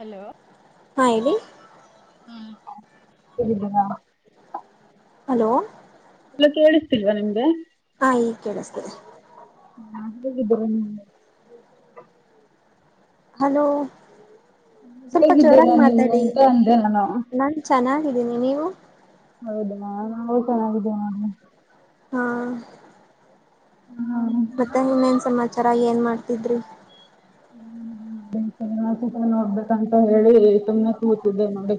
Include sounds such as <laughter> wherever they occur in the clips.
Hello ಹಾ ಹೇಳಿ ಹ್ಮ್ ಬದಾ ಹಲೋ ಎಲ್ಲ ಕೇಳಿಸ್ತಿಲ್ವಾ ನಿಮ್ಗೆ ಹಾ ಈಗ ಕೇಳಿಸ್ತಿದೆ ಹ ನಾ ಬ ಹಲೋ ಸ್ವಲ್ಪ ಹೇಗಿದ್ದೀರಾ ಜೋರಾಗಿ ನೀವು ಮಾತಾಡಿ ಎಂತ ಅಂದೆ ನಾನು ದಿನಿ <unintelligible> ನೀವು ಹೌದಾ ನಾವು ಚೆನ್ನಾಗಿದೀವ್ ನೋಡಿ ಹ್ಮ ನೋಡಿ ಮತ್ತೆ ಇನ್ನೇನ್ ಸಮಾಚ <unintelligible> ರ ಏನು ಮಾಡ್ತಿದ್ರಿ ಹ್ಮ ಅದ ಚ ಸೂತ್ರ ನೋಡ್ಬೇಕಂತ ಹೇಳಿ ತುಮ್ನೆ ಕೂತಿದ್ದೆ ನೋಡಿ.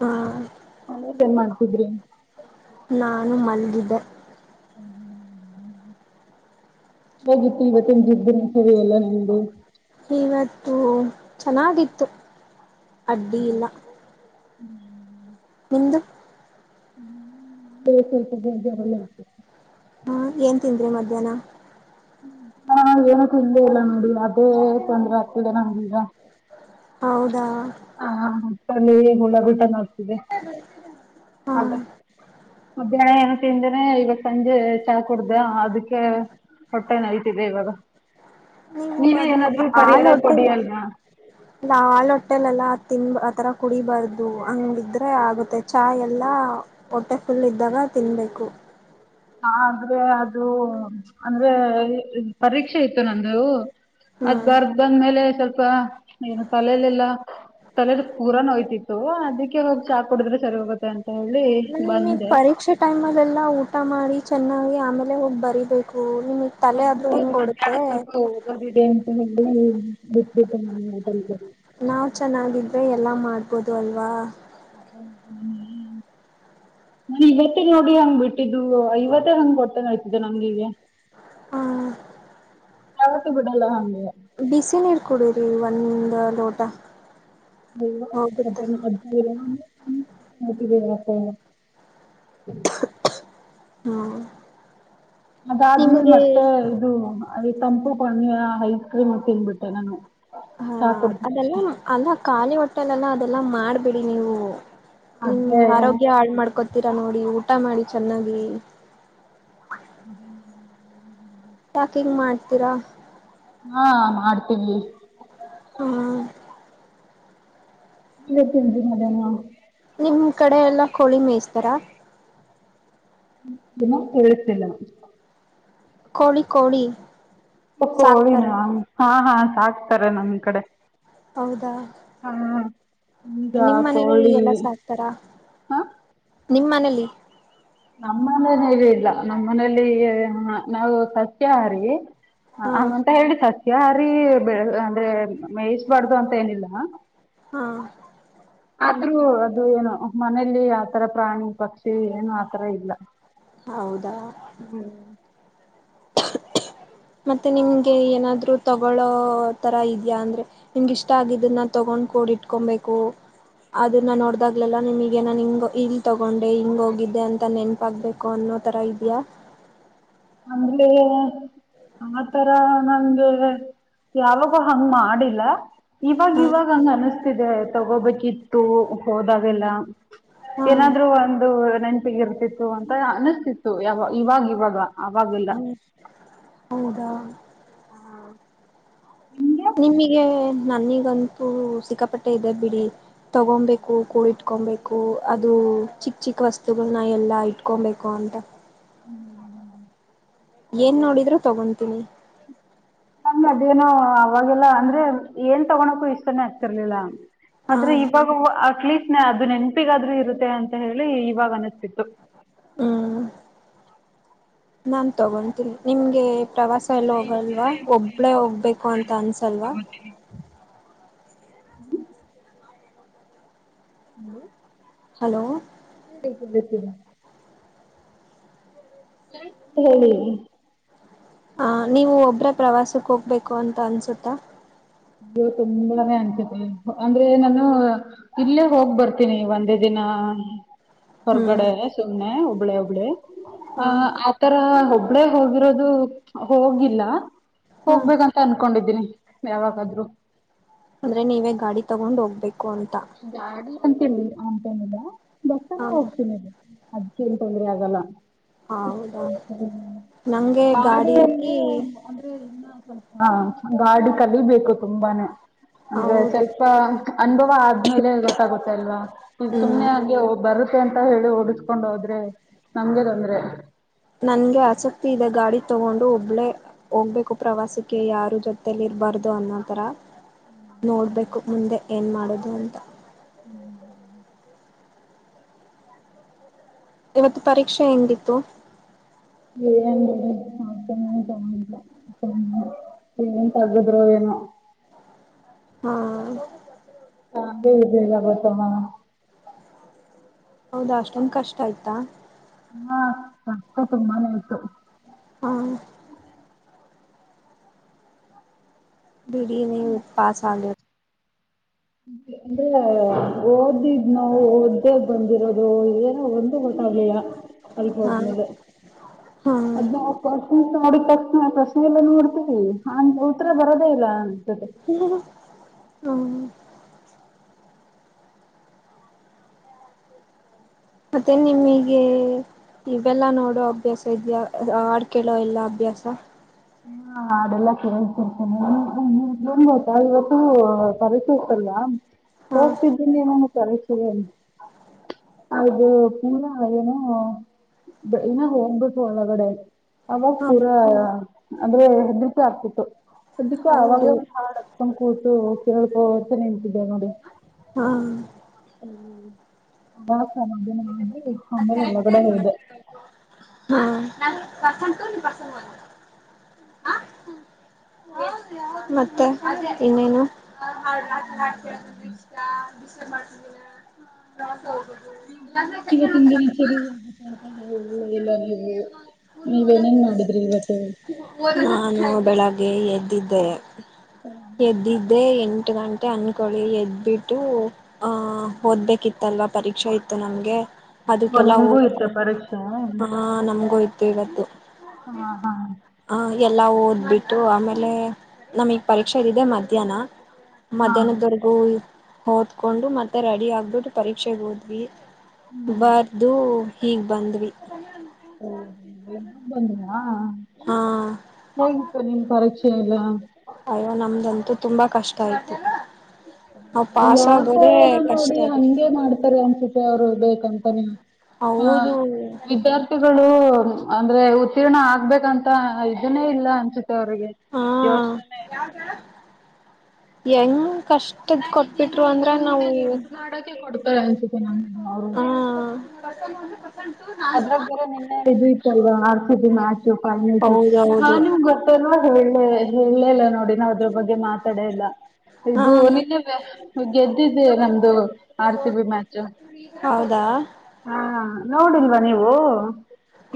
ಹಾ <unintelligible> ಹ ಏನ್ ಮಾಡ್ತಿದ್ರಿ ನಾನು ಮಲ್ಗಿನ <unintelligible> <unintelligible> ಹ ಹೋಗಿತ್ತು ಇವತ್ತ <unintelligible> ನಿಮ್ದನ ಸರಿ ಎಲ್ಲ ನಿಮ್ದು ಇವತ್ತು ಚೆನ್ನಾಗಿತ್ತು ಅಡ್ಡಿ ಇಲ್ಲ ನಿಮ್ದು <unintelligible> ಸ ಸಲ್ಪ ಜರತ ಹಾ ಏನ್ ತಿಂದ್ರಿ ಮಧ್ಯಾಹ್ನ ಹಾ ಏನ ತಿಂದೇ ಇಲ್ಲ ನೋಡಿ ಅದೇ ತೊಂದ್ರೆ ಆಗ್ತಿದೆ ನಮಗಿಗ ಹೌದಾ ಹ ಹಾ ಹಾ ತಲೆಗೆ ಉಳ್ಳಬಿಟ್ಟಗೆ ಆಗತೈತೆ <unintelligible> ಹಾ <unintelligible> ಅದ ಮಧ್ಯಾಹ್ನ ತಿಂದನೇ ಇವಾಗ ಸಂಜೆ ಚಾ ಕುಡ್ದ ಅದಕ್ಕೆ ಹೊಟ್ಟೆ ನೈತಿದೆ ಇವಾಗ ನೀವು ನೀವೇ ಅದು ಏನಾದ್ರು ಹಾಲ್ ಪರಿಹಾರ ಹೊಟ್ಟೆ ಕೊಡಿ ಅಲ್ವಾ ಹಾಲ್ ಹೊಟ್ಟೆಲಲ್ಲಾ ತಿನ್ ಆ ಥರ ಕುಡಿಬಾರ್ದು ಅಂಗಿದ್ರೆ ಆಗುತ್ತೆ ಚಾಯ ಎಲ್ಲ ಹೊಟ್ಟೆ ಫುಲ್ ಇದ್ದಾಗ ತಿನ್ನಬೇಕು. ಆದ್ರೆ ಅದು ಅಂದ್ರೆ ಪರೀಕ್ಷೆ ಇತ್ತು ನಂದು ಅದ್ ಹ್ಮ್ ಬರ್ದ್ ಬಂದ್ಮೇಲೆ ಸ್ವಲ್ಪ <unintelligible> ಬ ಏನು ತಲೆಲೆಲ್ಲಾ ತಲೆ ಪೂರಾ ನೋಯ್ತಿತ್ತು ಅದಕ್ಕೆ ಹೋಗಿ ಚಾ ಕುಡಿದ್ರೆ ಸರಿ ಹೋಗುತ್ತೆ ಅಂತ ಹೇಳಿ ಮ ನಿಮಗ್ ಬಂದೆ ಪರೀಕ್ಷೆ ಟೈಮ್ ಅಲ್ಲ ಎಲ್ಲ <unintelligible> ಊಟ ಮಾಡಿ ಚೆನ್ನಾಗಿ ಆಮೇಲೆ ಹೋಗಿ ಬರೀಬೇಕು ಮಧ ಸ್ವಲ್ಪ ಹೋಗೋದಿದೆ ಅಂತ ಬಿಟ್ಟಬಿಟ್ಟಟಲ್ <unintelligible> ಕೊದು ಅಲ್ವಾ <unintelligible> ನಾನ ಇವತ್ತೇ ನೋಡಿ ಹಂಗ್ ಬಿಟ್ಟಿದ್ದು ಇವತ್ತೇ ಹಂಗ್ ಹೊಟ್ಟೆ ನೋಯ್ತಿದೆ ನಂಗ್ ಹೀಗೆ ಹ್ಮ ಯಾವತ್ತೂ ಬಿಡಲ್ಲ ಹಂಗೆ ಬಿಸ ನೀರ್ ಕುಡರಿ ಒಂದ ಲೋಟ ಹ ಅ ಹೋಗುತ್ತೆ ಅರ <unintelligible> ಹ್ಮ್ ಮತ್ತಿದೆ ಯಾಕ <unintelligible> ಹ್ಮ್ ಅದಾದ್ಮೇಲ್ ನಿಮ್ಗೆ ಮತ್ತೆ ಇದು. ಅ ತಂಪು ಪಾನೀಯ ಹೈ ಕ್ರೀಮ್ ತಿನ್ಬಿಟ್ಟೆ ನಾನು ಹಾ ಚಾ ಕುಡಿದ್ಮೇಲೆ. ಹಂತಲ್ಲಿ ಅದೆಲ್ಲಾ ಮಾಡ್ಬೇಡಿ ನೀವು ಹೂ ಅದೇ ಆರೋಗ್ಯ ಹಾಳ್ ಮಾಡ್ಕೋತೀರಾ ನೋಡಿ ಊ ಟಾ ಮಾಡಿ ಚೆನ್ನಾಗಿ <unintelligible> ಯಾಕಿಂಗ್ ಮಾಡ್ತೀರಾ ಹಾ ಮಾಡ್ತೀವಿ ಹ್ಮ ಏನ್ ತಿಂಡಿ ಮಧ್ಯಾನ ನಿಮ್ ಕಡೆ ಎಲ್ಲಾ ಕೋಳಿ ಮೇಯಸ್ತಾರ. ಏನು ಕೇಳಿಸ್ತಿಲ್ಲ ಕೋಳಿ ಕೋಳಿ ಕೋಳಿನ ಸಾಕ್ತಾರ ಹಾ ಹಾ ಸಾಕ್ತಾರೆ ನಮ್ ಕಡೆ ಹೌದ ಹಾ ಈಗ ನಿಮ್ ಮನೇಲಿ ಕೋಳಿ ಎಲ್ಲಾ ಸಾಕ್ತಾರ ನಿಮ್ಮ ಮನೇಲಿ ನಮ್ಮ ಮನೇಲಿ ಇಲ್ಲ ನಮ್ಮ ಮನೇೆಯಲ್ಲಿ ನಾವು ಸಸ್ಯಾಹಾರಿ ಹಾ ಹಂಗ ಅಂತ ಹೇಳಿ ಸಸ್ಯಹಾರಿ ಬೆಳ ಅಂದ್ರೆ ಮೇಯಿಸಬಾರ್ದು ಅಂತ ಏನಿಲ್ಲ ಹಾ ಆದ್ರೂ ಅದು ಏನು ಮನೇಲಿ ಆತರ ಪ್ರಾಣಿ ಪಕ್ಷಿ ಏನು ಆತರ ಇಲ್ಲ ಹೌದಾ ಮತ್ತೆ ನಿಮ್ಗೆ ಏನಾದ್ರು ತಗಳೋ ತರ ಇದ್ಯಾ ಅಂದ್ರೆ ನಿಮ್ಗ ಇಷ್ಟ ಆಗಿದನ್ನ ತಗೊಂಡ್ ಕೂಡಿ ಇಟ್ಕೊಬೇಕು ಅದನ್ನ ನೋಡ್ದಾಗ್ಲೆಲ್ಲ ನಿಮಗ ನನ್ ನಿಂಗ ಇಲ್ ತಗೊಂಡೆ ಹಿಂಗ ಹೋಗಿದ್ದೆ ಅಂತ ನೆನಪಾಗಬೇಕು ಅನ್ನೋ ತರ ಇದ್ಯಾ ಅಮಲೆ ಆತರ ನಂಗೆ ಯಾವಾಗ ಹಂಗ ಮಾಡಿಲ್ಲಾ ಇವಾಗ ಹಾ ಇವಾಗ ಹಂಗ್ ಅನಿಸ್ತಿದೆ ತಗೋಬೇಕಿತ್ತು ಹೋದಾಗೆಲಾ ಹಾ ಏನಾದ್ರು ಒಂದು ನೆನಪಿಗಿರತಿತ್ತ ಅಂತ ಅನಿಸ್ತಿತ್ತು ಯಾವಾಗ ಇವಾಗ ಇವಾಗ ಅವಾಗೆಲ್ಲ ಹ್ಮ ಹೌದಾ ಹಾ ನಿಮಗೆ ನನ್ನಿಗಂತೂ ಸಿಕ್ಕಾಪಟ್ಟೆ ಇದೆ ಬಿಡಿ ತಗೊಂಬೇಕು ಕೂಡಿ ಇಟ್ಕೊಬೇಕ್ ಅದು ಚಿಕ್ಕ ಚಿಕ್ಕ ವಸ್ತುಗಳನ್ನ ಎಲ್ಲಾ ಇಟ್ಕೊಬೇಕು ಅಂತ ಹ್ಮ್ ಹ್ಮ್ ಏನ್ ನೋಡಿದ್ರು ತಗೊತೀನಿ ನಮ ಅದೇನೋ ಅವಾಗೆಲ್ಲ ಅಂದ್ರೆ ಏನ್ ತಗೋಳಕ್ಕು ಇಷ್ಟ ಆಗ್ತಿರ್ಲಿಲ್ಲ ಹಾ ಆದ್ರೆ ಇವಾಗ ಅಟ್ಲೀಸ್ಟ್ ಅದು ನೆನಪಿಗ್ರೂ ಇರುತ್ತ ಅಂತ ಹೇಳಿ ಇವಾಗ ಅನಿಸ್ತತಿ ಹ್ಮ್ ನಾನ್ ತಗೊಂತೀನಿ ನಿಮಗೆ ಪ್ರವಾಸ ಎಲ್ಲ ಕೇಳಿ ಹೋಗಲ್ವಾ ಒಬ್ಬಳೇ ಹೋಗ್ಬೇಕು ಅಂತ ಅನ್ಸಲ್ವಾ ಹ್ಮ ಹಲೋ ಹಲೋ <unintelligible> ಹಿ ಹ ನೀವು ಒಬರ ಪ್ರವಾಸಕ್ಕೆ ಹೋಗ್ಬೇಕು ಅಂತ ಅನ್ಸುತ್ತಾ ಅದು ತುಂಬಾನೇ ಅನ್ಸಿದೆ ಅಂದ್ರೆ ನಾನು ಇಲ್ಲೇ ಹೋಗ್ ಬರ್ತೀನಿ ಒಂದೇ ದಿನ ಹ್ಮ್ ಹೊರಗಡೆ ಸುಮನೆ ಹಬ್ಳೆ ಒಬ್ಳಿ ಆ ಹಾ ಆತರ ಒಬ್ಬಳೆ ಹೋಗಿರೋ ಅದು ಹೋಗಿಲ್ಲ ಹಾ ಹೋಗ್ಬೇಕಂತ ಅನ್ಕೊಂಡಿದ್ದೀನಿ ಯಾವಾಗ ಅಂದ್ರೆ ನೀವೇ ಗಾಡಿ ತಗೊಂಡ್ ಹೋಗ್ಬೇಕು ಕೊಂಂತ ಅಂತಿ ಅಂತೇಏನಿಲ್ಲ ಬಸ್ಸನ ಹ ಹೋಗ್ತೀನಿಗ <unintelligible> ಅಗಲ್ಲ ಹೌದಾ ಹ್ಮ ನಂಗೆ ಗಾಡಿ ಅಲ್ಲಿ ಗಾಡಿಯಲ್ಲಿ ಅಂದ್ರೆ ಇನ್ನ ವಲ್ ಹ ಗಾಡಿ ಕಲಿಬೇಕು ತುಂಬಾನೇ ಅಂದ್ರೆ ಹೌದು ಸ್ವಲ್ಪ ಅನುಭವ ಆದ್ ಗೊತ್ತಾಗುತ್ತೆ ಅಲ್ವಾ ಹ್ಮ್ ಸುಮ್ನೆ ಹಾಗೆ ಬರು ಕೆ ಅಂತ ಹೇಳು ಹು ಕಕೊಂಡ ಹೋದ್ರೆ ನಮ್ಗೆ ತೊಂದ್ರೆ ನನ್ಗೆ ಆಸಕ್ತಿ ಇದೆ ಗಾಡಿ ತಗೊಂಡು ಒಬ್ಳೇ ಹೋಗ್ಬೇಕು ಪ್ರವಾಸಕ್ಕೆ ಯಾರು ಜೊತಲಿ ಇರಬಾರ್ದು ಅನ್ನೋಥರ ನೋಡ್ಬೇಕು ಮುಂದೆ ಏನ್ ಮಾಡ ಕದಲ್ ಹ್ಞ ಇವತ್ತು ಪರೀಕ್ಷೆ ಎಂದಿತ್ತು ಏನುಕಿಲ್ಲ ನ್ ತಗದ್್ರರು ಏನೋ ಹ್ಮ ಹಾ <unintelligible> ಎಲ್ಲ ಕೊತ ಹೌದಾ ಅಷ್ಟೊಂದ ಕಷ್ಟ ಆಯ್ತಾ ಹಾ ಕಷ್ಟ ತುಂಬಾನೇ ಇತ್ತು ಹ್ಮ ಬಿಡಿ ನೀವು ಪಾಸ ಆಗ ಅಂದ್ರೆ ಓದಿದ್ ನಾವು ಓದ್ದೇ ಬಂದಿರೋದು ಏನೋ ಒಂದು ಗೊತ್ತಾಗಲಿಲ್ಲ ಹಾ <unintelligible> ಹಾ ನಾವ್ ಪ್ರಶ್ನೆ ಎಲ್ಲ ನೋಡ್ತೀವಿ ಉತ್ತರ ಬರೋದೇ ಇಲ್ಲ ಅ ಹ್ಮ ಹ್ಮ <inaudible> ಮತ್ತೆ ನಿಮಗೆ ಇವೆಲ್ಲ ನೋಡೋ ಅಭ್ಯಾಸ ಇದ್ಯಾ ಹಾಡ್ಕೇಳೋ ಎಲ್ಲ ಅಭ್ಯಾಸ ಹಾ ಹಾಡೆಲ್ಲಾ ಕೇಳ್ತಿರ್ತೀನಿ ಇನ್ನೊಂದ್ ಗೊತ್ತಾ ಇವತ್ತು ಪರೀಕ್ಷೆ ಇತಲ್ವ ಹಾ ಹೋಗ್ತಿದ್ದೀನಿ ನಾನು ಪರೀಕ್ಷೆಗೆ ಅದು ಪೂರ ಏನೂ ಇನ್ನ ಹೋಗ್ಬೇಕು ಒಳಗಡೆ ಅವ ಹಾ ಪೂರಾ ಅಂದ್ರೆ ಹೆದ್ರಿಕೆ ಆಗ್ತಿತು ಸಧ್ಯಕ್ಕೆ <unintelligible> ಆವಗ ಹೌದು ಒಂದು ಹಾಡ್ ಹಚ್ಕೊಂಡ್ ಕೂತು ಸ್ವಲ್ಪ ಹೊತ್ತು ನಿಂತಿದ್ದೆ ನೋಡಿ ಹಾ <unintelligible> ಆಮೇಲೆ ಒಳಗಡೆ ಹೋದೆ ಬರ್ತಂತುಂ ಮತ್ತೆ ಇನ್ನೇನು- <inaudible> ಇವತ್ತಿನ್ ದಿನಚರಿಯ ಮಾತಾಡ್ಕೊಂಡ ಹೇಳೆ ಇಲ್ಲ ನೀವು ನೀವ ಏನೇನ್ ಮಾಡಿದ್ರಿ ಇವತ್ತ ನಾನು ಬೆಳಗ್ ಗೆ ಎದ್ದಿದೆೆ ಎದ್ದಿದ್ದೆ ಏ ತು ಎಂಟು ಗಂಟೆ ಅನ್ಕೊಳ್ಳಿ ಎದ್ಬಿಟ್ಟು ಆ ಓದ್ಬೇಕಿತ್ತಲ್ವಾ ಪರೀಕ್ಷೆ ಇತ್ತು ನಮಗೆ ಓ ಅದಕ್ಕೆಲ್ಲ ನಿಮ್ಗೂ ಇತ್ತ ಓದಕೊ ಪರೀಕ್ಷೆ? ಹಾ ನಮ್ಗಗು ಇವತ್ತು ಹಾ ಹಾ ಎಲ್ಲ ಓದ್ಬಿಟ್ಟು ಆಮೇಲೆ ನಮಗೆ ಪರೀಕ್ಷೆ ಇದ್ದಿದೆ ಮಧ್ಯಾಹ್ನ ಹಾ ಮಧ್ಯಾಹ್ನದವರೆಗೂ ಓದ್ಕೊಂಡು ಮತ್ತೆ ರೆಡಿ ಆಗ್ಬಿಟ್ಟು ಪರೀಕ್ಷೆಗೆ ಹೋದ್ವಿ ಬರ್ದು ಈಗ್ ಬಂದ್ವಿ ಓ ಹ <inaudible> ಹೋಗ್ ಬಂದ್ರ ಹಾ ನಿನ್ ಪರೀಕ್ಷೆ ಎಲ್ಲ ನಮ್ದಂತೂ ತುಂಬಾ ಕಷ್ಟ ಇತ್ತು ಯಾಕೋ ಏನೋ ಕಷ್ಟ ನೋಡಿ ಬಿಡಿ ಹಂಗೆ ಮಾಡ್ತಾರೆ ಅನ್ಸುತ್ತೆ ಅವ್ರು ಬೇಕಂತ ನೀನು ಹ ಹೌದು ವಿದ್ಯಾರ್ಥಿಗಳು ಅಂದ್ರೆ ಉತ್ತೀರ್ಣ ಆಗ್ಬೇಕಂತ ಇದನ್ನೇ ಇಲ್ಲ ಅನ್ಸುತ್ತ <unintelligible> <unintelligible> ಗೆ ಯೋಚನೆ ಇ <unintelligible> ಹೆಂಗ ಕಷ್ಟದ ಕೊಟ್ಟ <unintelligible> ಸುಮ್ನೆ ದುಡ್ಡು ಮಾಡೋಕೆ ಕೊಡಬ <unintelligible> ರಸೆ ನ <unintelligible> ಹ ಅದ್ರಗ್ ಬೇರೆ ನಿನ್ನೆ ಇದು ಇತ್ತುಲ್ವಾ R C B match finals ಹಾಂ ಹೌದೌದು ನಿಮ್ಗ್ ಗೊತ್ತಲ್ವ <unintelligible> ಹೇಳೇಲ್ಲ ನೋಡಿ ನಾ ಅದ್ರ ಬಗ್ಗೆ ಮಾತಾಡೀಲ್ಲ ಹಾ ಇದು ನಿನ್ನ ಗೆದ್ದಿದ್ದೆ ನಮ್ದು ಆರ್ ಸಿ ಬಿ ಮ್ಯಾಚ್ ಹೌದಾ ಹಾ ನೋಡಿಲ್ವಾ ನೀವು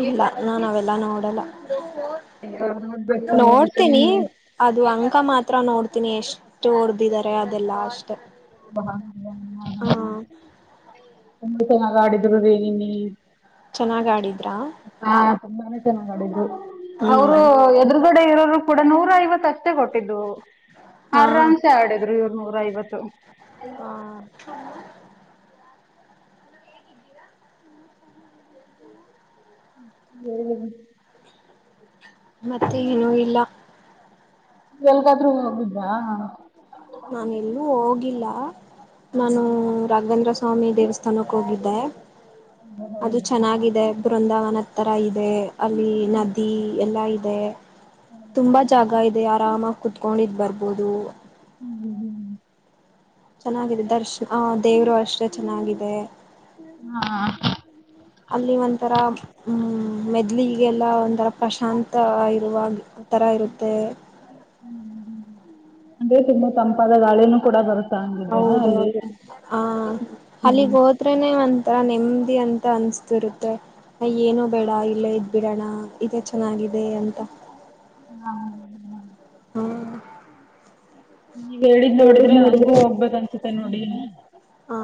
ಇಲ್ಲ ನ ನಾವೆಲ್ಲ ನೋಡಲ್ಲ ನೋಡ್ಬೇಕು <unintelligible> ತಾನೆ ನೋಡ್ತಿನಿ ಸುಮ್ನೆ ಅದು ಅಂಕ ಮಾತ್ರ ನೋಡ್ ತಿನಿ ಎಷ್ಟು ಹೊಓರ್ದಿದ್ದಾರೆ ಅದೆಲ್ಲ ಅಷ್ಟೆ ಹ ಹಾ <unintelligible> ಒ ಚೆನ್ನಾಗ ಆಡಿದ್ರು ರೀ ನೆನ್ನೆ ಚೆನ್ನಾಗ ಆಡಿದ್ರಾ. ಚೆನ್ನಡೆದು <unintelligible> ಹ್ಮ್ ಅವರು ಎದರು ಗಡೆ ಇರೋರು ಕೂಡ ನೂರ ಐವತ್ತಷ್ಟೇ ಕೊಟ್ಟಿದ್ದು ಹಾ ಆರಾಮ್ಸೆ ಆಡಿದ್ರು ಇವರು <unintelligible> ನೂರ ಐವತ್ತು ಹಲೋ ಹ ಹ್ಮ್ <unintelligible> ಮತ್ತೆ ಏನೂ ಇಲ್ಲ. ಎಲ್ಗಾದರು ನಾನ ಎಲ್ಲೂ ಹೋಗ್ ಇಲ್ಲಾ ಹ್ಮ್ ನಾನು ರಾಘೇಂದ್ರಸ್ವಾಮಿ <unintelligible> ಸ್ವಾಮಿ ದೇವಸ್ಥಾನಕ್ಕೆ ಹೋಗಿದ್ದೆ ಅದು ಹ್ಮ್ ಚೆನ್ನಾಗಿದೆ ಬೃಂದಾವನ ತರ ಇದೆ ಅಲ್ಲಿ ನದಿ ಎಲ್ಲಾ ಇ <unintelligible> ತುಂಬಾ ಜಾಗ ಇದೆ ಆರಾಮ ಕುತ್ಕೊಂಡಿದ್ ಬರ್ <unintelligible> ಬೋದು ಹ್ಮ್ ಹ್ಮ್ ಚೆನ್ನಾಗಿದೆ. ದರ್ಶ ಆ ದೇವ್ರು ಅಷ್ಟೆ ಚೆನ್ನಾಗಿದೆ. ಹಾ <unintelligible> ಅಲ್ಲಿ ಒಂಥರ ಹ್ಮ್ ಮೆದುಳಿಗೆಲ್ಲ ಒಂಥರಾ ಪ್ರಶಾಂತ ಇರುವ ಹಾ ತರ ಇರುತ್ತೆ. ಹ್ಮ್ ಅಂದ್ರೆ ತುಂಬಾ ತಂಪಾದ ಗಾಳಿನೂ ಕೂಡ ಬರುತ್ತೆ. ಹೌದೌದು ಆ ಹ್ಮ್ ಅಲ್ಲಿಗ್ ಹೋದ್ರೇನೆ ಒಂ ಥರ ನೆಮ್ಮದಿ ಅಂತ ಅನ್ಸ್ತಿರುತ್ತೆ. <unintelligible> ಏನು ಬೇಡ ಇಲ್ಲೇ ಇದ್ ಬಿಡೋಣ ಇದೇ ಚೆನ್ನಾಗಿದೆ ಅಂತ ಹ್ಮ್.. ಹ್ಮ್. ನೀವ್ ಹೇಳಿದ್ ನೋಡಿದ್ರೆ ನಂಗೂ ಹೋಗ್ಬೇಕ್ ಅನ್ಸುತ್ತೆ ನೋಡಿ. <unintelligible> ಹ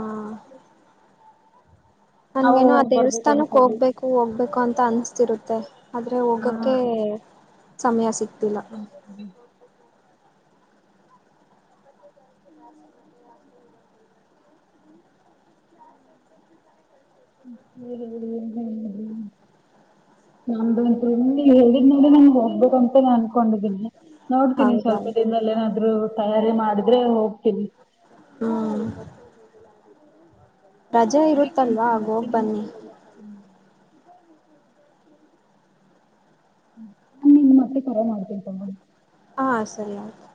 ನಾವು ನನ್ಗೇನು ಆ ಹೋಗ್ ಬರ್ಬೇಕು ದೇವಸ್ಥಾನಕ್ ಅನ್ಕೊಂಡ್ವಿ. ಹೋಗ್ಬೇಕು ಹೋಗ್ಬೇಕು ಅಂತ ಅನ್ಸ ರುತ್ತೆ. ಆದ್ರೆ ಹಾ ಹೋಗಕ್ಕೆ ಹ್ಮ್ ಸಮಯ ಸಿಕ್ತಿಲ್ಲ. ಹ್ಮ್ ಹ್ಮ್ ಬೇಡ ಬಿಡು <unintelligible> ನೀನೇ ಹೇಳ್ದೆ ನಮಗೆ ಹೋಗ್ಬೇಕಂತ ಅನ್ಕೊಂಡಿದೀನಿ. ನೋಡ್ತೀನಿ, ಹೌದಾ ಸ್ವಲ್ಪ ದಿನದಲ್ಲಿ ಏನಾದ್ರು ತಯಾರಿ ಮಾಡ <unintelligible> ಹೋಗ್ತೀನಿ. ಹ್ಮ್. ರಜೆ ಸರಿ ಇರುತ್ತಲ್ವಾ ಕಣ್ರಿ, ಆಗ ಮತ್ತೆ ಹೋಗ್ ನಿಮಗ್ ಬನ್ನಿ ಕರೆ ಮಾಡ್ತೀನಿ. <unintelligible> ಮತ್ತೆ ಕರೆ ಮಾಡ್ತೇನಿ ತಗೋಳ್ ಹಾ ಸರಿ ಆಯ್ತು.